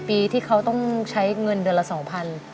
ปีที่เขาต้องใช้เงินเดือนละ๒๐๐บาท